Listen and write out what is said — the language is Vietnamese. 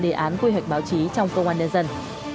đề án quy hoạch báo chí trong công an nhân dân